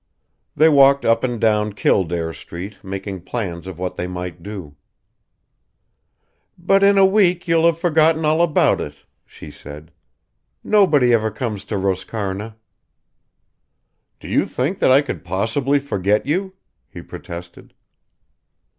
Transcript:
They walked up and down Kildare Street making plans of what they might do. "But in a week you'll have forgotten all about it," she said. "Nobody ever comes to Roscarna." "Do you think that I could possibly forget you?" he protested.